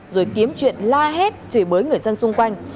rồi kiếm chuyện la hết trời bới người dân xung quanh